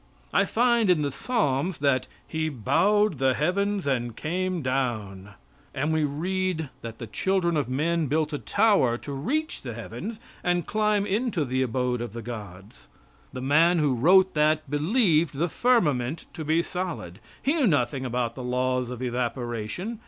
I find in the Psalms that "He bowed the heavens and came down;" and we read that the children of men built a tower to reach the heavens and climb into the abode of the gods. The man who wrote that believed the firmament to be solid. He knew nothing about the laws of evaporation.